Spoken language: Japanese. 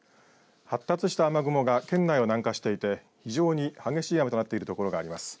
発達した雨雲が県内を南下していて非常に激しい雨となっている所があります。